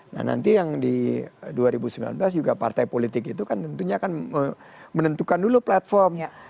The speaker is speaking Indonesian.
nah nanti yang di dua ribu sembilan belas juga partai politik itu kan tentunya akan menentukan dulu platform